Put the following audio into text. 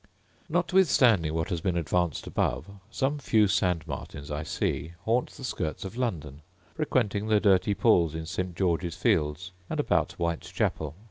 Notwithstanding what has been advanced above, some few sand martins, I see, haunt the skirts of London, frequenting the dirty pools in Saint George's Fields, and about White Chapel.